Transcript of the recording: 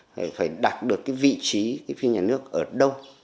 thì phải đặt được cái vị trí cái phim nhà nước ở đâu